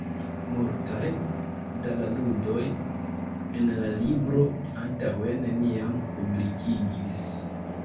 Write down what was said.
Multaj da la ludoj en la libro antaŭe neniam publikigis.